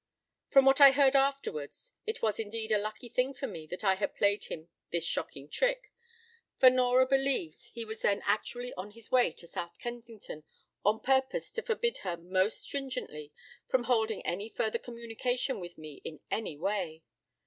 p> From what I heard afterwards, it was indeed a lucky thing for me that I had played him this shocking trick, for Nora believes he was then actually on his way to South Kensington on purpose to forbid her most stringently from holding any further communication with me in any way.